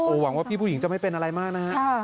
หวังว่าพี่ผู้หญิงจะไม่เป็นอะไรมากนะฮะ